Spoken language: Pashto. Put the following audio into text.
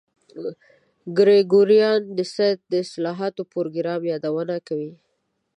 ګریګوریان د سید د اصلاحاتو پروګرام یادونه کوي.